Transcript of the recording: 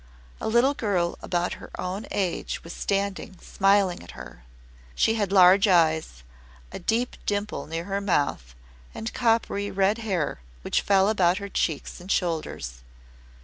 A little girl about her own age was standing smiling at her. She had large eyes, a deep dimple near her mouth, and coppery red hair which fell about her cheeks and shoulders.